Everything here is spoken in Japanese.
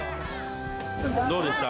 どうでした？